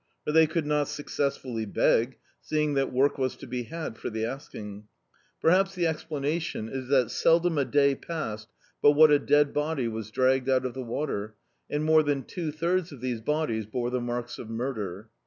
For they could not successfully beg, seeing that work was to be had for the asking. Perhaps the e:q)lanati<m [«>9] D,i.,.db, Google The Autobiography of a Super Tramp is that seldom a day passed but what a dead body was dragged out of the water, and more than two thirds of these bodies bore die marks of murder.